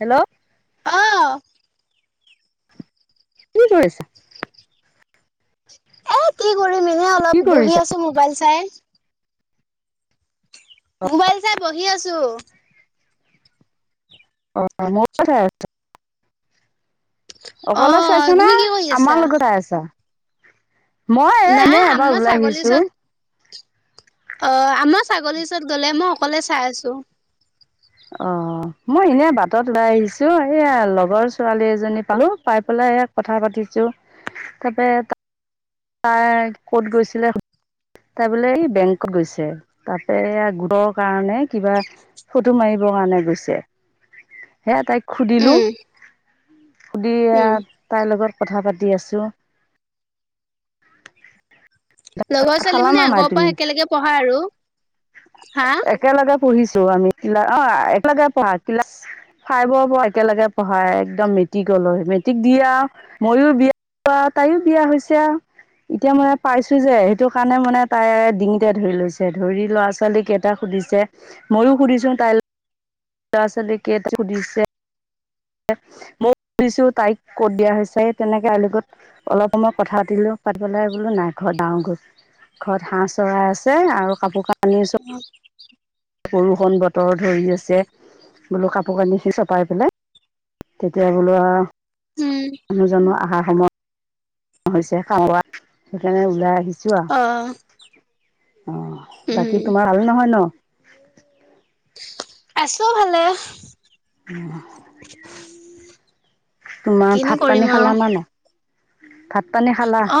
Hello অ তু কৈ আছা এ কি কৰিম এনেে কি অলপ বহি কৰিছা আছো মোবাইল চ [unintelligible] মোবাইল চাই বহি আছো অ ম। [unintelligible] অ অকলে চাইছ ন তুমি কি কৰি আছা আমাৰ লগত আইছা [unintelligible] মই এ নাই এনে এবাৰ আমাৰ ওলাই ছাগলীৰ আহিছো। ওচৰত অ আমাৰ ছাগলীৰ চৰত গলে মই অকলে চাই আছো। অ মই এনেই বাটত ওলাই আহিছো এয়া লগৰ ছোৱালী এজনী পালো পাই পেলাই স কথা পাতিছো তাৰাপ ত [unintelligible] তাই ক'ত গৈছিলে তাই বোলে এই বেংকত গৈছে তাপ গোটৰ কাৰণে কিবা ফটো মাৰিবৰ কাৰণে গৈছে সেয়া তাই [unintelligible] সুধিলোঁ। উম সুধি উম তাইৰ লগত কথা পাতি দি আছো [inaudible] লগৰ ভাত ছোৱালী খালা মানে না নাই আগৰ তুমি পৰা একেলগে পঢ়া আৰু। হা একেলগে পঢ়িছো আমি অ একেলগে পঢ়া ক্লাছ ফাইভৰ পৰা একেলগে পঢ়া একদম মেট্ৰিকলৈ মেট্ৰিক দিয়ে আৰু মইও বিয়া আৰু তাইও বিয়া হৈছে আও এতিয়া মানে পাইছো যে সেইটো কাৰণে মানে তাই ডিঙিতে ধৰি লৈছে ধৰি। ল'ৰা ছোৱালীকেইটা সুধিছে মইয়ো সুধিছো তাইৰ ল'ৰা ছোৱালী কেইটা হোধিছে। মই সুধিছো তাইক ক'ত বিয়া হৈছে এই তেনেকে আ লগ লগত অলপ সময় কথা পাতিলো পাতি পেলাই বোলো নাই ঘৰ জাও কৈছো ঘৰত হাঁহ চৰাই আছে আৰু কাপোৰ কানি চব উম উ [unintelligible] বৰষুণ বতৰ ধৰি আছে বোলো কাপোৰ কানিখিনি চপাই পেলাই তেতিয়া বোলো আ উম মানুহ জানো আহা কামত হৈছে কাম পা সেইকাৰণে ওলাই আহিছে। অহ অ বাকী তোমাৰ ভাল নহয় ন? [inaudible] আছো ভালে। [inaudible] তোমাৰ কিনো ভাত কৰিম পানী আৰু খালা না নাই? উম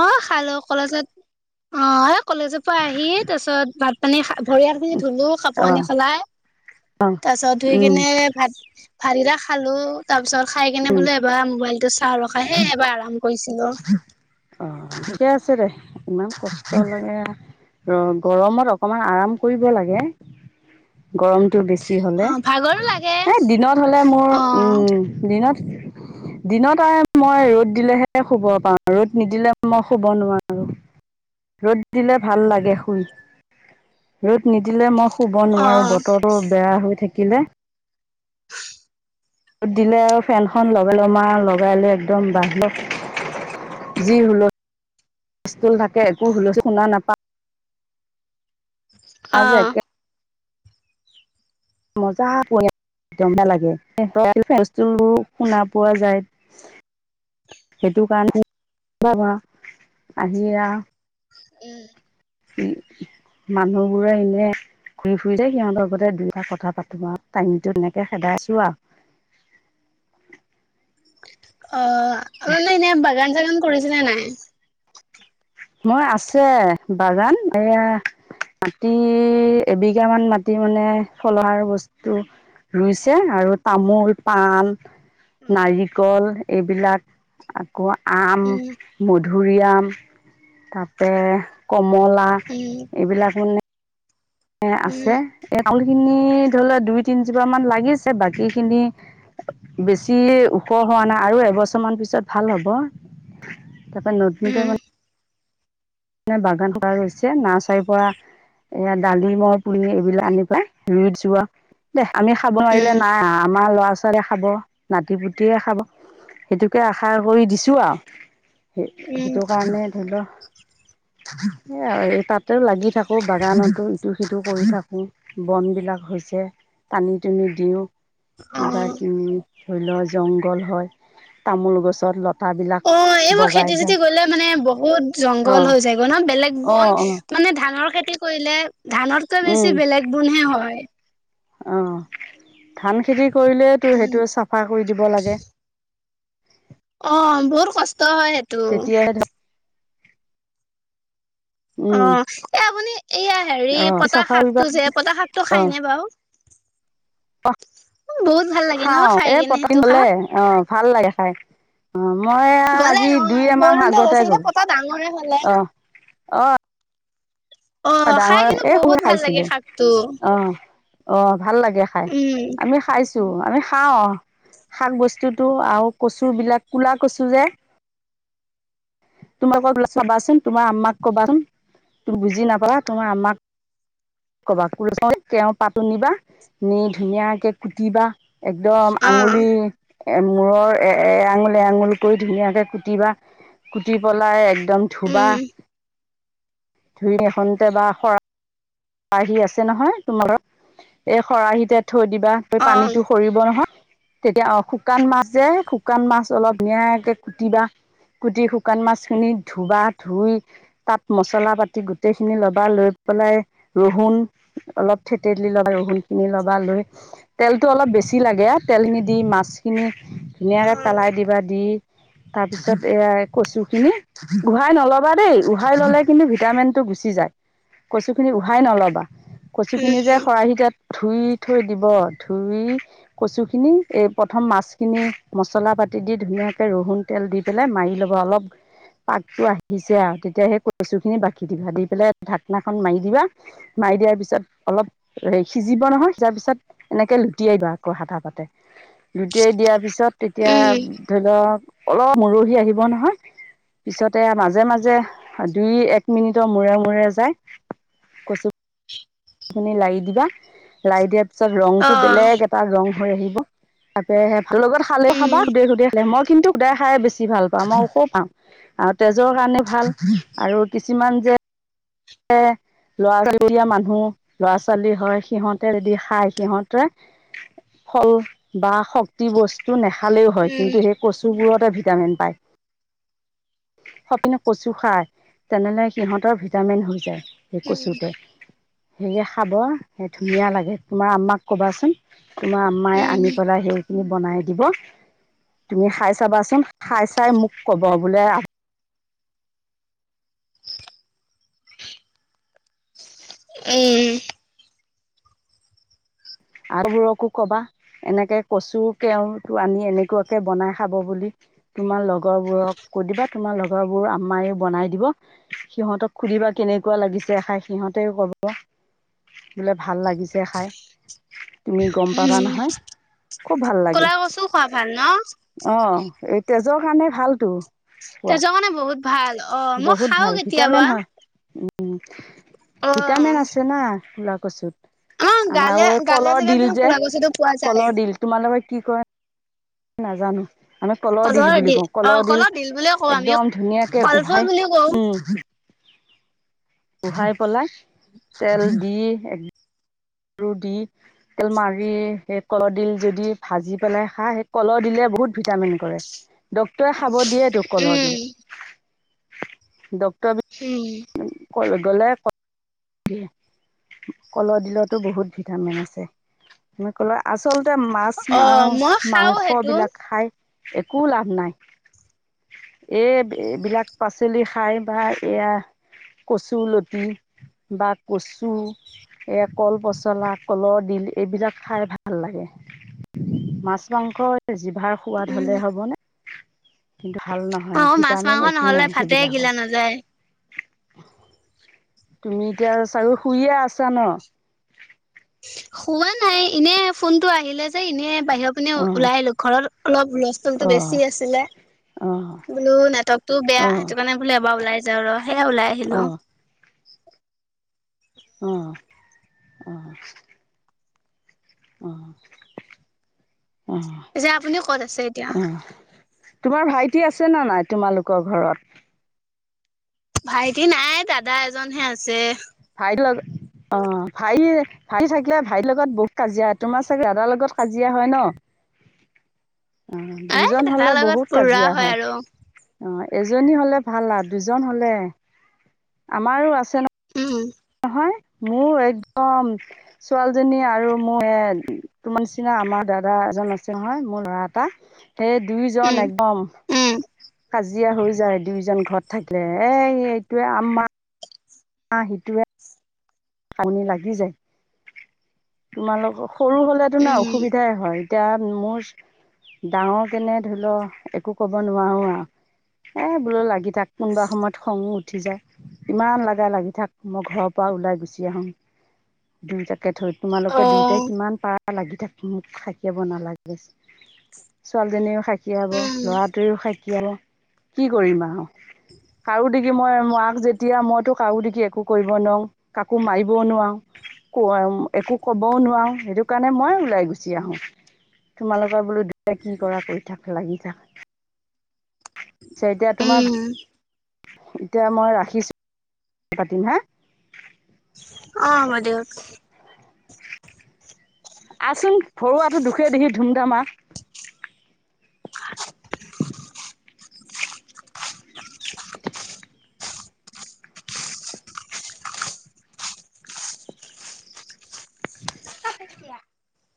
অ খালো কলেজত। অ কলেজৰ পৰা আহি তাৰ পিছত ভাত পানী হা ভৰি হাত খিনি ধুলো কাপোৰ অ কানি সলাই তাৰ পিছত ধুই উম কেনে ভাত ভাত কিটা খালো তাৰ পিছত খাই কেনে উম বোলো এবাৰ মোবাইলটো চাওঁ আৰ। খাইহে এবাৰ আৰাম কৰিছিলো। অ ঠিকে আছে দে, ইমান কষ্ট লাগে ৰ গৰমত অকমান আৰাম কৰিব লাগে গৰমটো বেছি। তি অ হ'লে ভাগৰো লাগে এই দিনত হ'লে মোৰ অ উম দিনত দিনত আৰু মই ৰ'দ দিলেহে শুব পাওঁ ৰ'দ নিদিলে মই শুব নোৱাৰো ৰ'দ দিলে ভাল লাগে শুই ৰ'দ। নিদিলে মই শুব অ নোৱাৰো বতৰটো বেয়া হৈ থাকে। কিলে [unintelligible] দিনে আৰু ফেনখন লগাই ল'ম আৱ লগাই লৈ একদম বাহিৰত যি হুলস্তোল থাকে একো হুলস্তোল শুনা নাপাওঁ। আজে একে মজা পৰি একদম বেয়া লাগে ফে শুনা পোৱা যায় সেইটো কাৰণে বাবা আহি। উম। উম মানুহবোৰে এনে ঘুৰি ফুৰিলে সিহঁতৰ লগতে দুই এটা কথা পাতো আৱ টাইমটো এনেকে খেদাইছো আৱ অ মনে এনে বাগান কাম কৰিছিলে নাই? মই আছে বাগান এয়া মাটি এবিঘামান মাটি মানে খলহাৰ বস্তু ৰুইছে আৰু তামোল পণ নাৰিকল এইবিলাক আহ কোৱা আম উম মুদ ধুৰিআম তাপে কম মলা উম এইবিলাক মানে এ আছে উম এত মোলখিনি ধৰিল দুই তিনজোপ মান লাগিছে বাকীখিনি বেছি ওখ হোৱা নাই আৰু এবছৰ মান পিছত ভাল হ'ব তাপা নতুনকৈ উম মানে মে বাগান গৈছে নাৰ্চাৰীৰ পৰা এ দালিমহ পুলি এইবিলাক আনি পেলাই ৰুইত দিছো আৱ আমি খাব নোৱাৰিলে উম নাই আম আমাৰ ল'ৰা ছোৱালীয়ে খাব নাতি পুতিয়ে খাব সেইটোকে আশা কৰি দিছো আৱ সেই উম সেইটো কাৰণে ধৰি ল হে আৱ তাতে লাগি থাকো বাগানতো ইটো সিটো কৰি থাকো বন বিলাক হৈছে টানি টোনি দিও অ কিবা কিবি ধৰিল জংঘল হয় তামোল গছত লত অ এই বোৰ খেতি চেতি গলে মানে বহুত জংঘল অঁ হৈ যায় নহহ বেলেগ অঁ বন মানে ধানৰ খেতি কৰিলে ধানতকৈ বেছি বেলেগ বোনহে হয় অ ধান খেতি কৰিৰিলেটো উম সেইটো চাফা কৰি দিব লাগে। অ বহুত কষ্ট ত হয় সেইটো তেতিয়াহে ধ অ উম এ আপোনি এইয়া হেৰি অ পতা চাফা শাকটো যে পতা শাকটো অ খাই নে বাউ বহুত ভাল লাগে ন খাও খাই এ কেনে পট সেইটো ললে শাক অ ভাল লাগে খাই অ মই গ'লে আজি অ দুই এমাহ বৰদোনতে আগতে গৈছে এতিয়া গলো পতা ডাঙৰে হ'লে অ অ অ খাই কিন্তু সৰু বহুত ভাল লাগে খাইছিলো শাকটো। অ অ ভাল লাগে খাই উম আমি খাইছো আমি খাওঁ শাক বস্তুটো আৰু কচু বিলাক কোলা কচু যে তোমাৰ ক বো চাবাচোন তোমাৰ আম্মাক কবাচোন তুমি বুজি নাপালা তোমাৰ আম্মাক কবা কচু তেওঁ পাতো নিবা নি ধুনীয়াকে কুটিবা একদম অ আঙুলি এ মূৰৰ এ এআঙুল এ আঙুল কৰি ধুনীয়াকে কুটিবা কুটি পেলাই একদম ধুবা উম ধুইন এখনতে বা শৰা খৰাহী আছে নহয় তোমাৰোক এই খৰাহিতে থৈ দিবা তই অ পানীটো সৰিব নহয় তেতিয়া অ শুকান মাছ যে শুকান মাছ অলপ ধুনীয়াকে কুটিবা কুটি শুকান মাছ খিনি ধুবা ধুই তাত মছলা পাতি গোটেই খিনি লবা লৈ পেলাই ৰহুণ অলপ থেতেলি লবা ৰহুন খিনি লবা লৈ তেলটো অলপ বেছি লাগে তেল নিদি মাছখিনি ধুনীয়াকে পেলাই দিবা দি তাৰ পিছত এয়াই কচু খিনি উহাই নল'বা দেই উহাই ল'লে কিন্তু ভিটামিনটো গুচি যায় কচু খিনি উহাই নল'বা। কচু উম খিনি যে খৰাহি তাত ধুই থৈ দিব ধুই কচু খিনি এই প্ৰথম মাছখিনি মছলা পাতি দি ধুনীয়াকে ৰহুন তেল দি পেলাই মাৰি লব অলপ পাকটো আহিছে আৰু তেতিয়া সেই কচু খিনি বাকি দিবা দি পেলাই ঢাকনাখন মাৰি দিবা মাৰি দিয়াৰ পিছত অলপ সিজিব নহয় সিজাৰ পিছত এনেকে লুটিয়াইবা আকৌ হঠা পাতে লোটিয়াই দিয়াৰ পিছত তেতিয়া উম ধৰি লওক অলপ মৰহি আহিব নহয় পিছতে মাজে মাজে দুই এক মিনিটৰ মূৰে মূৰে যায় কচু লাৰি দিবা লাই দিয়াৰ তাৰপিছত ৰং অ টো বেলেগ এটা ৰং হৈ আহিব তাকেহে লগত খালে খাবা উম সুদে সুদে খালে মই কিন্তু খুদাই খাই বেছি ভাল পাওঁ মই ও পাওঁ আৰু তেজৰ কাৰণে ভাল আৰু কিছুমান যে লৰা ছোৱালী মানুহ লৰা ছোৱালী হয় সিহঁতে যদি খায় সিহঁতে ফল বা শক্তি বস্তু নেখায় ভালেও হয় উম কিন্তু সেই কচুবোৰতে ভিটামিন পায় সপিনে কচু খায় তেনেলে সিহঁতৰ ভিটামিন যে সেই উম কছোতে সেয়ে খাব সে ধুনীয়া লাগে তোমাৰ আম্মাক কবাচোন তোমাৰ আম্মাই উম আনি পেলাই সেই বনাই দিব তুমি খাই চাবাচোন! খাই চাই মোক কব বোলে উম! আবোৰকো কবা এনেকে কৈছোঁ কেও ত আনি এনেকুৱাকে বনাই খাব বুলি তোমাৰ লগৰবোৰক কৈ দিবা তোমাৰ লগৰবোৰ আম্মাযয়ে বনাই দিব। সিহঁতক সুধিবা কেনেকুৱা লাগিছে খাই! সিহঁতেও কব বোলে ভাল লাগিছে খাই। তুমি গম পাবা উম নহয়, খুব ভাল লাগে, ক'লা কচু খোৱা ভাল ন অ এতিয়া নিজৰ কাৰণে ভালটো তেজৰ কাৰনে বহুত ভাল অ' মই খাও কেতিয়াবা। উম! অ ভিটামিন আছে না! কোলা কচোত। গাঁৱলীয়া আমাৰ গাঁৱলীয়া কলৰ জেগাত ডিল কিন্তু যে, ক'লা কচুটো পোৱা যায় কলৰ ডিল, তোমালোকৰ কি কয়! নাজানোঁ। আমি কলৰদিল কলৰ দি বুলি কওঁ, অ কলৰদিল কলৰ দিল বুলিয়ে কওঁ আমি একদম ধুনীয়াকে কলফুল উহাই, বুলি কওঁ উম! উহাই, পেলাই তেল দি এক ৰু দি, তেল মাৰি, সেই কলডিল যদি ভাজি পেলাই খাই, সেই কলৰডিলে বহুত ভিটামিন কৰে। ডক্ট্ৰৰে খাব দিয়ে তো কলৰ উম দিল। ডক্টৰে উম! গ'লে কলৰদিলতো বহুত ভিটামিন আছে। মানে কলৰ আচল ততে মাছ, অ মাছ মই খাও সেইটো মাংসবিলাক খায়। একো লাভ নাই, এইবিলাক পাচলি খাই বা এইয়া কচুলতি বা কচু, এই কলৰ পচলা কলৰদিল এইবিলাক খাই ভাল লাগে। মাছ মাংস ভাৰ সোৱাদ উম হ'লে হ'বনে? কিন্তু ভাল অ নহয়, মাছ ভিটামিন মাংস একো নহলে নাই ভাতে গিলা সেইবিলাকৰ নাযায় তুমি এতিয়া চাৰি শুইয়ে আছা ন? শুৱা নাই, এনে, ফোনটো আহিলে যে এনে বাহিৰৰ পিনে অঁ ওলাই আহিলোঁ, ঘৰত অলপ হুলস্থোলটো অঁ বেছি আছিলে, অঁ বোলো নেটৱৰ্ক টোও বেয়া, অঁ সেইটো কাৰণে বোলো এবাৰ ওলাই যাওঁ। ৰহ! সেয়ে ওলাই আহিলো‌ঁ অঁ আও। অহ অহ! অহ! পিছে আপুনি ক'ত আছে এতিয়া অহ অহ, তোমাৰ ভাইটি আছে? আছে না নাই তোমালোকৰ ঘৰত? ভাইটি নাই দাদা এজনহে আছে। ভাই লগত, অ ভাই ভাই থাকিলে ভাইৰ লগত বহুত কাজিয়া, তোমাৰ চাগে দাদাৰ লগত কাজিয়া হয় ন। অ, এ দুজন দাদাৰ হলে লগত বহুত পুৰা কাজিয়া হয়। আৰু অ এজনী হলে ভাল আৰু দুজন হলে আমাৰো আছে ন। উম। নহয়, মোৰ একদম ছোৱালীজনী আৰু মোৰ তোমাৰ নিচিনা আমা দাদা এজন আছে নহয়, মোৰ ল'ৰা এটা। এই দুইজন উম একদম। উম কাজিয়া হৈ যায় দুইোজন ঘৰত থাকিলে, এই এইটোৱে আমা। আ সিটোৱে। কান্দি লাগি যায়। তোমালোকক সৰু হ'লেতো ন উম অসুবিধাই হয়। এতিয়া মোৰ ডাঙৰ কেনে ধৰি ল একো ক'ব নোৱাৰো আউ। এ বোলো লাগি। তাত কোনোবা সময়ত খঙো উ উঠি যায়, ইমান লাগা লাগি থাক, মই ঘৰৰ পৰা ওলাই গুছি। আহুং। তে থৈ তোমালোকে অ দুয়োটাই কিমান পাৰা? লাগি থাক, মোক খাইকিয়াব নালাগে। [unintelligible] ছোৱালীজনীও খাকীয়াব উম ল'ৰাটোৱেও খাকীয়াব। কি কৰিম আও। কাৰো। দেগি মই, মাক যেতিয়া মইতো কাউ দেগি একো কৰিব নোৱাউঙ। [unintelligible] কাকো মাৰিবও নোৱাউ, ক একো ক'বও নোৱাউ, সেইটো কাৰণে মই ওলাই গুচি আহোঁ। তোমালোকৰ বোলো। কি কৰা কৰি থাক। লাগি থাক। পিছে এতিয়া তোমাৰ ভাল। উম, এতিয়া মই ৰাখিছো। পাতিম হা। অ হব দিয়ক। আহচোন ঘৰুৱাটো দুখে দেহি ধুমধামা। [unintelligible] [inaudible] [inaudible] কিয়া। [unintelligible]